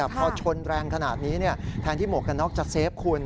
พอชนแรงขนาดนี้แทนที่หมวกกันน็อกจะเซฟคุณ